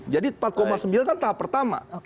jadi empat sembilan kan tahap pertama